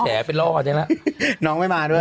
เอาพิธีกรแขนมงนั่ง็ไม่มาด้วย